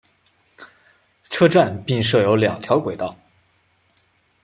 车站并设有两条轨道。